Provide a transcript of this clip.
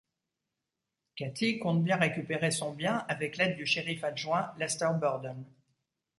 Kathy compte bien récupérer son bien, avec l'aide du shérif adjoint, Lester Burdon.